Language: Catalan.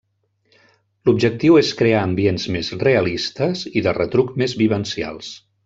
L’objectiu és crear ambients més realistes i, de retruc, més vivencials.